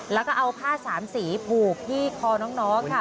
แล้วก็เอาผ้าสามสีผูกที่คอน้องค่ะ